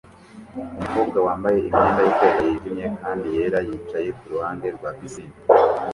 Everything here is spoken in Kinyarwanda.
Umukobwa wambaye imyenda yo koga yijimye kandi yera yicaye kuruhande rwa pisine